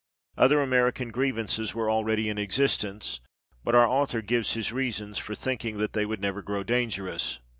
Other American grievances were already in existence, but our author gives his reasons for thinking that they would never grow dangerous.